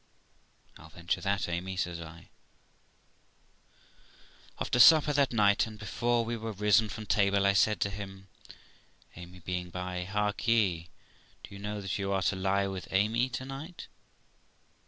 'I'll venture that, Amy', says I. After supper that night, and before we were risen from table, I said to him, Amy being by, ' Hark ye, Mr , do you know that you are to lie with Amy to night?'